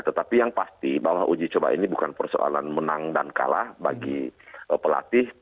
tetapi yang pasti bahwa uji coba ini bukan persoalan menang dan kalah bagi pelatih